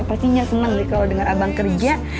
pastinya seneng nih kalo denger abang kerja